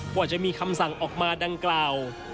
กว่าจะมีคำสั่งออกมาดังกล่าว